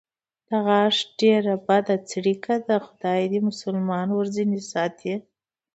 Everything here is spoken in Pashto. د غاښ ډېره بده څړیکه ده، خدای دې مسلمان ورځنې ساتي.